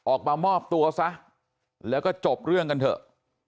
ออกมามอบตัวซะแล้วก็จบเรื่องกันเถอะ